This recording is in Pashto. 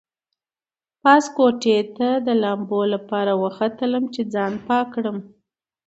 پاس کوټې ته د لامبو لپاره وختلم چې ځان پاک کړم.